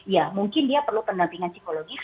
ya mungkin dia perlu pendampingan psikologis